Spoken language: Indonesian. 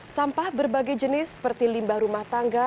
sampah berbagai jenis seperti limbah rumah tangga